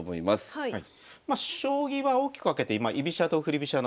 はい。